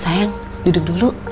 sayang duduk dulu